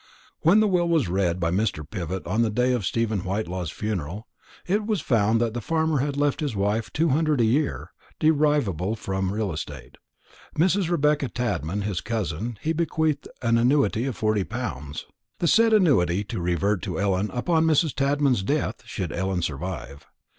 When the will was read by Mr. Pivott on the day of Stephen Whitelaw's funeral, it was found that the farmer had left his wife two hundred a year, derivable from real estate. To Mrs. Rebecca Tadman, his cousin, he bequeathed an annuity of forty pounds, the said annuity to revert to Ellen upon Mrs. Tadman's death should Ellen survive.